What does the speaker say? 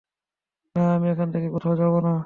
না আমি এখান থেকে কোথাও যাবো না।